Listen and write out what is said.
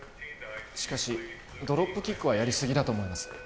しかしドロップキックはやりすぎだと思います。